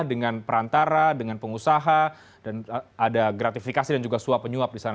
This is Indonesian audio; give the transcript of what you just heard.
dengan perantara dengan pengusaha dan ada gratifikasi dan juga suap penyuap di sana